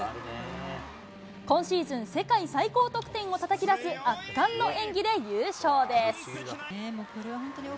今シーズン、世界最高得点をたたき出す圧巻の演技で優勝です。